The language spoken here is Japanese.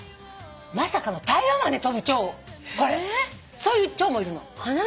そういうチョウもいるの。